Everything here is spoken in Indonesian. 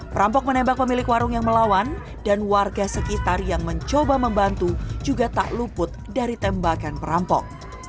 perampok menembak pemilik warung yang melawan dan warga sekitar yang mencoba membantu juga tak luput dari tembakan perampok